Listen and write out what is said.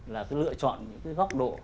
là tôi lựa chọn những góc độ